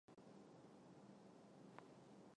永历九年去世。